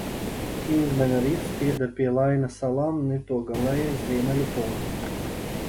Kingmena rifs pieder pie Laina salām un ir to galējais ziemeļu punkts.